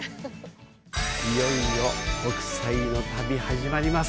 いよいよ北斎の旅、始まります。